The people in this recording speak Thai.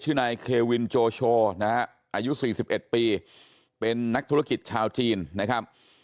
นายเควินโจโชนะฮะอายุ๔๑ปีเป็นนักธุรกิจชาวจีนนะครับ